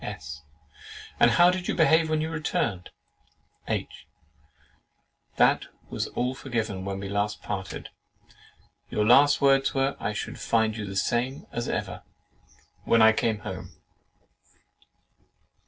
'" S. "And how did you behave when you returned?" H. "That was all forgiven when we last parted, and your last words were, 'I should find you the same as ever' when I came home?